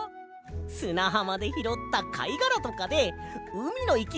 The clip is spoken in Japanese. すなはまでひろったかいがらとかでうみのいきものをつくったんだ！